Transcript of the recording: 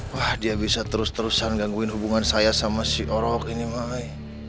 wah dia bisa terus terusan gangguin hubungan saya sama si orok ini mai